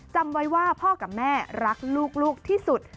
จำไว้ว่าพ่อกับแม่รักลูกที่สุด